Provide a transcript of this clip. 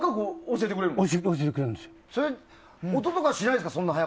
音とかしないですか？